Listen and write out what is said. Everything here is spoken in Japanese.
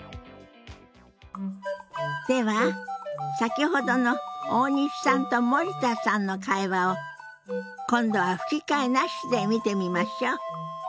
では先ほどの大西さんと森田さんの会話を今度は吹き替えなしで見てみましょう。